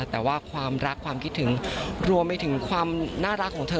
แต่ว่าความรักความคิดถึงรวมไปถึงความน่ารักของเธอ